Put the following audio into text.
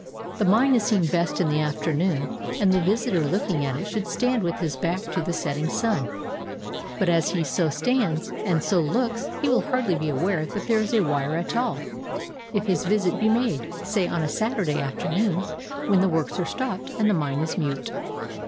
The mine is seen best in the afternoon and the visitor looking at it should stand with his back to the setting sun; — but as he so stands and so looks he will hardly be aware that there is a wire at all if his visit be made, say on a Saturday afternoon, when the works are stopped and the mine is mute.